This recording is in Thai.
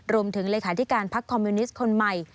รวมถึงเลขาธิการพักคอมมิวนิสต์คนใหม่